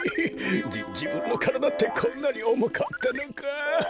じじぶんのからだってこんなにおもかったのか。